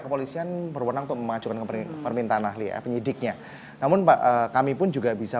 kepolisian berwenang untuk mengajukan permintaan ahli penyidiknya namun kami pun juga bisa